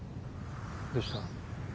どうした？